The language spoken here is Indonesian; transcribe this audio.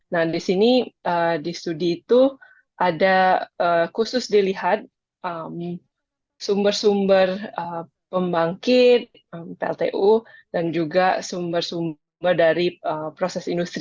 nah di sini di studi itu ada khusus dilihat sumber sumber pembangkit pltu dan juga sumber sumber dari proses industri